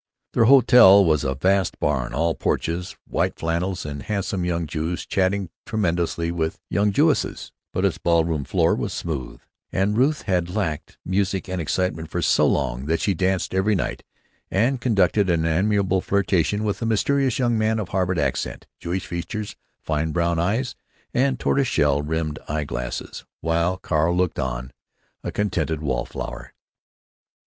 Their hotel was a vast barn, all porches, white flannels, and handsome young Jews chattering tremendously with young Jewesses; but its ball room floor was smooth, and Ruth had lacked music and excitement for so long that she danced every night, and conducted an amiable flirtation with a mysterious young man of Harvard accent, Jewish features, fine brown eyes, and tortoise shell rimmed eye glasses, while Carl looked on, a contented wall flower.